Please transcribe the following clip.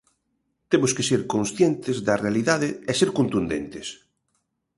Temos que ser conscientes da realidade e ser contundentes.